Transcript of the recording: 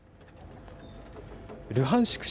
ルハンシク